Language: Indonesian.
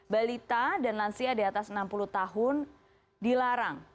balita dan lansia di atas enam puluh tahun dilarang